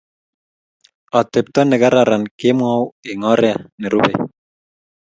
Atepto nekararan kemwou eng oree nerubei.